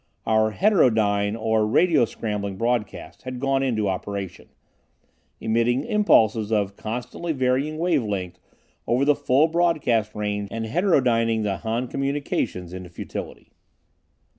Our heterodyne or "radio scrambling" broadcast had gone into operation, emitting impulses of constantly varying wave length over the full broadcast range and heterodyning the Han communications into futility.